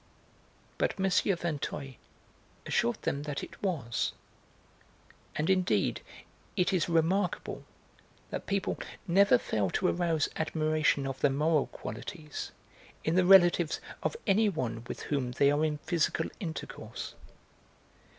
But M. Vinteuil assured them that it was, and indeed it is remarkable that people never fail to arouse admiration of their normal qualities in the relatives of anyone with whom they are in physical intercourse.